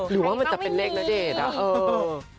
หรือว่ามันจะเป็นเลขณเดชน์อะ